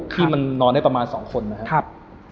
ที่มันนอนได้ประมาณ๒คนนะครับ